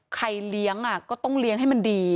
เลี้ยงก็ต้องเลี้ยงให้มันดี